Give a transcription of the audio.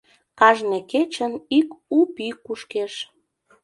Кажне кечын ик у пӱй кушкеш.